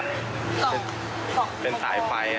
ของเฝ็ดสายไฟไกน์อะไร